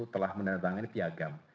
telah menerbangkan piagam